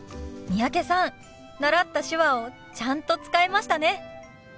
三宅さん習った手話をちゃんと使えましたね。